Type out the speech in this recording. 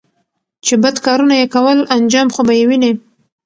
چې بد کارونه يې کول انجام خو به یې ویني